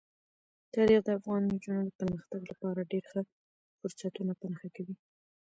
تاریخ د افغان نجونو د پرمختګ لپاره ډېر ښه فرصتونه په نښه کوي.